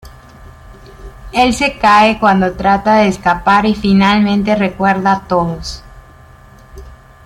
Él se cae cuando trata de escapar y finalmente recuerda a todos.